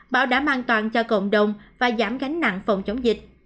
bảo đảm an toàn cho cộng đồng và giảm gánh nặng phòng chống dịch